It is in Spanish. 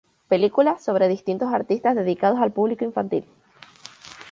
Película sobre distintos artistas dedicados al público infantil.